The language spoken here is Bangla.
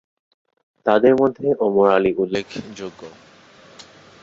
তাদের মধ্যে ওমর আলী উল্লেখযোগ্য।